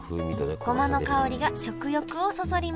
ごまの香りが食欲をそそります